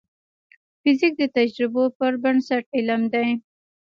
فزیک د تجربو پر بنسټ علم دی.